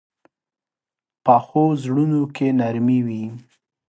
پخو زړونو کې نرمي وي